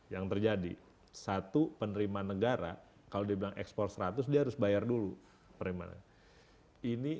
yang terjadi satu penerimaan negara kalau dibilang ekspor seratus dia harus bayar dulu penerimaan ini